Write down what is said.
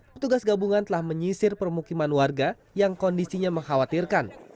petugas gabungan telah menyisir permukiman warga yang kondisinya mengkhawatirkan